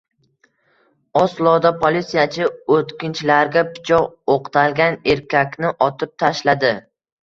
Osloda politsiyachi o‘tkinchilarga pichoq o‘qtalgan erkakni otib tashlading